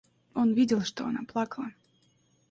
Он видел, что она плакала.